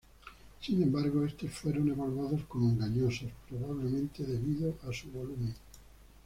Sin embargo, estos fueron evaluados como engañosos, probablemente debido a su volumen.